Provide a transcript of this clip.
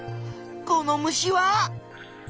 この虫は。